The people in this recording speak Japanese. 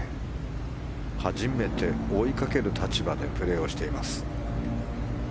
初めて追いかける立場でプレーしています。